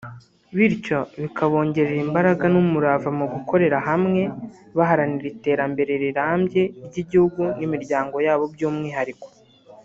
bityo bikabongerera imbaraga n’umurava mu gukorera hamwe baharanira iterambere rirambye ry’Igihugu n’imiryango yabo by’umwihariko